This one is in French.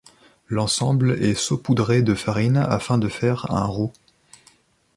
L'ensemble est saupoudré de farine afin de faire un roux.